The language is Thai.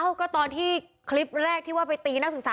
ก็ตอนที่คลิปแรกที่ว่าไปตีนักศึกษา